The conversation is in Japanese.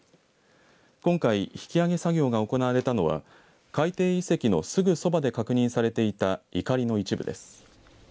今回引き揚げ作業が行われたのは海底遺跡のすぐ側で確認されていたいかりの一部です。